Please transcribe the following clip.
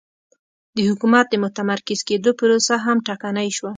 د حکومت د متمرکز کېدو پروسه هم ټکنۍ شوه